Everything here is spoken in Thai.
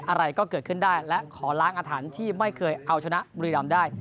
อะไรก็เกิดขึ้นได้และขอล้างอาถรรพ์ที่ไม่เคยเอาชนะบุรีรำได้